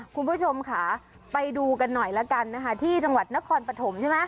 คุณผู้ชมค่ะไปดูกันหน่อยละกันนะคะที่จังหวัดนครปฐมใช่ไหม